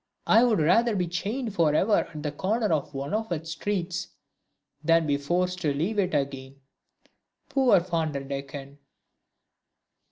I would rather be chained forever at the corner of one of its streets, than be forced to leave it again!' Poor Van der Decken!"